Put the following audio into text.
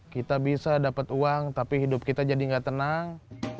kita bisa dapat uang tapi hidup kita jadi nggak tenang